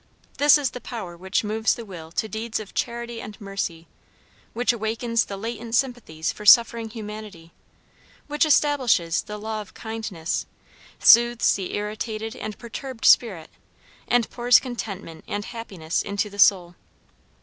This is the power which moves the will to deeds of charity and mercy, which awakens the latent sympathies for suffering humanity, which establishes the law of kindness, soothes the irritated and perturbed spirit, and pours contentment and happiness into the soul.